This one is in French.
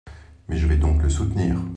Mais je vais donc le soutenir.